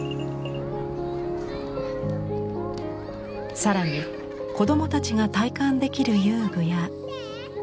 更に子どもたちが体感できる遊具や。